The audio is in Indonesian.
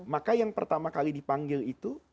maka yang pertama kali dipanggil itu